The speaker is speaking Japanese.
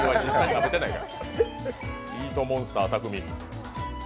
イートモンスター・匠海。